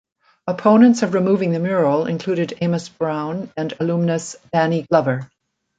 Opponents of removing the mural included Amos Brown and alumnus Danny Glover.